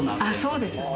そうですね。